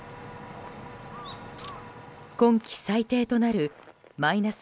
今季最低となるマイナス